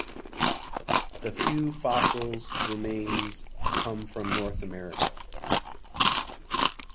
The few fossils remains come from North America.